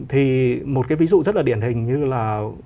thì một cái ví dụ rất là điển hình như là